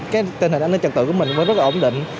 cái tình hình an ninh trật tự của mình nó rất là ổn định